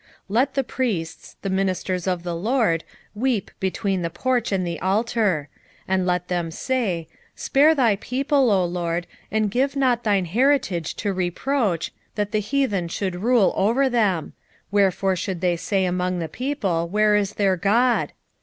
2:17 Let the priests, the ministers of the LORD, weep between the porch and the altar, and let them say, Spare thy people, O LORD, and give not thine heritage to reproach, that the heathen should rule over them: wherefore should they say among the people, Where is their God?